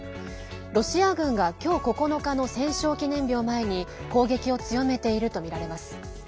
ロシア軍が今日９日の戦勝記念日を前に攻撃を強めているとみられます。